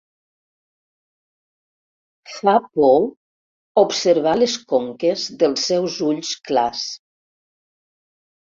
Fa por observar les conques dels seus ulls clars.